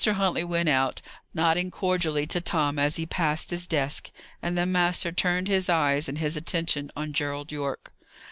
Huntley went out, nodding cordially to Tom as he passed his desk; and the master turned his eyes and his attention on Gerald Yorke.